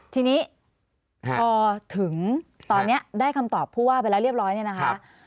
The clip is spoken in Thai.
ทีนี้พอถึงตอนนี้ได้คำตอบผู้ว่าไปแล้วเรียบร้อยเนี่ยนะคะ